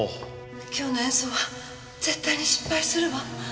今日の演奏は絶対に失敗するわ。